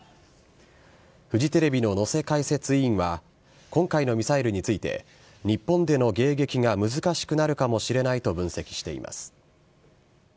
フジテレビの能勢解説委員は今回のミサイルについて、日本での迎撃が難しくなるかもしれないと分析しています。